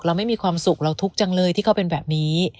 ไม่มีความสุขเราทุกข์จังเลยที่เขาเป็นแบบนี้